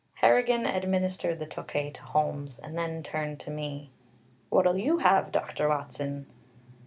Harrigan administered the Tokay to Holmes, and then turned to me: "What'll you have, Doctor Watson?"